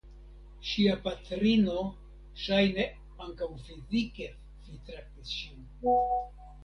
Ŝia patrino ŝajne ankaŭ fizike fitraktis ŝin.